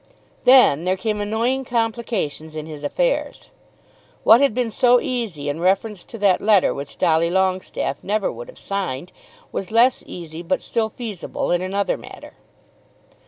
Then there came annoying complications in his affairs. What had been so easy in reference to that letter which Dolly Longestaffe never would have signed, was less easy but still feasible in another matter.